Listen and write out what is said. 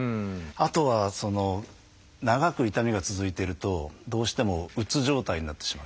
あとは長く痛みが続いてるとどうしてもうつ状態になってしまう。